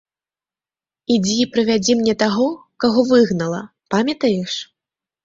Ідзі і прывядзі мне таго, каго выгнала, памятаеш?